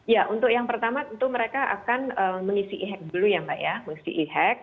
ya untuk yang pertama tentu mereka akan mengisi e hack dulu ya mbak ya mengisi e hack